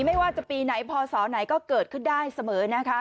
ไม่ว่าจะปีไหนพศไหนก็เกิดขึ้นได้เสมอนะคะ